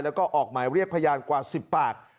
แล้วก็ออกหมายเรียกพยานกว่า๑๐ปาก